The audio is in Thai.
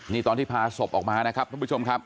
นี่ตอนที่พาศพออกมานะครับทุกผู้ชมครับ